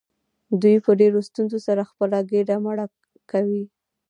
دوی په ډیرو ستونزو سره خپله ګیډه مړه کوي.